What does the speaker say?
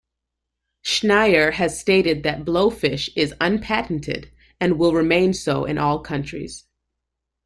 Schneier has stated that, Blowfish is unpatented, and will remain so in all countries.